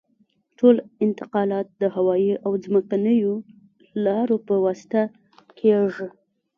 ټول انتقالات د هوایي او ځمکنیو لارو په واسطه کیږي